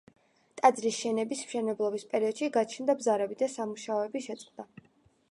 ტაძრის შენობის მშენებლობის პერიოდში გაჩნდა ბზარები და სამუშაოები შეწყდა.